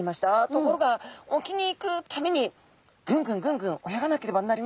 ところが沖に行くためにぐんぐんぐんぐん泳がなければなりません。